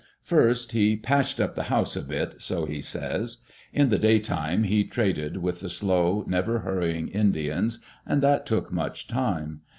First, he "patched up the house a bit," so he says. In the daytime he traded with the slow, never hurrying In dians, and that took much time.